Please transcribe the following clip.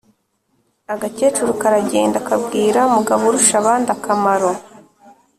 agakecuru karagenda kabwira mugaburushabandakamaro